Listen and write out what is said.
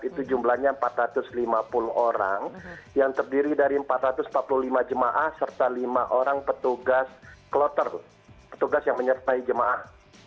itu jumlahnya empat ratus lima puluh orang yang terdiri dari empat ratus empat puluh lima jemaah serta lima orang petugas kloter petugas yang menyertai jemaah